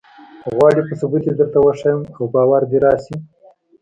غواړې په ثبوت یې درته وښیم او باور دې راشي.